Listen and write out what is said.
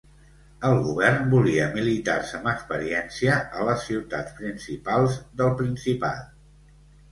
El govern volia militars amb experiència a les ciutats principals del Principat.